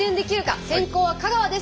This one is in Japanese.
先攻は香川です。